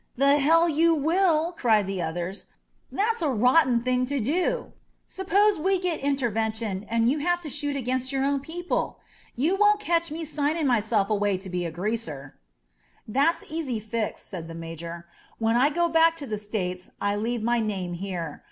The hell you will," cried the others. "That's a rotten thing to do. Suppose we get Intervention and you have to shoot against your own people. You won't catch me signing myself away to be a greaser." "That's easy fixed," said the Major. "When I go back to the States I leave my name here.